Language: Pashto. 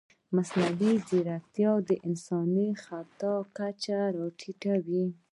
مصنوعي ځیرکتیا د انساني خطا کچه راټیټوي.